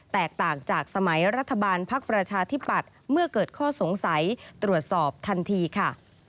แตกต่างจากสมัยรัฐบาลภักดิ์ประชาธิปัตย์เมื่อเกิดข้อสงสัยตรวจสอบทันทีค่ะ